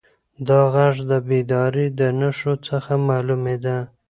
دا غږ د بیدارۍ د نښو څخه معلومېده.